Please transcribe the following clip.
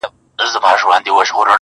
o ستر گه په بڼو نه درنېږي!